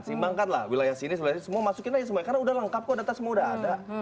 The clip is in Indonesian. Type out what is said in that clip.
seimbangkanlah wilayah sini sebenarnya semua masukin aja semua karena udah lengkap kok data semua udah ada